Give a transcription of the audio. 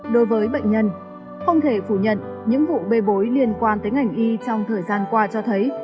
đối với bệnh nhân không thể phủ nhận những vụ bê bối liên quan tới ngành y trong thời gian qua cho thấy